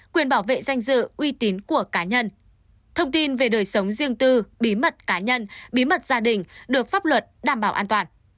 quy tắc tôn trọng tuân thủ pháp luật